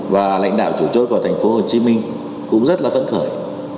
và lãnh đạo chủ chốt của thành phố hồ chí minh cũng rất là phấn khởi